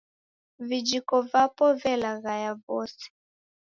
Vijiko vapo velaghaya vose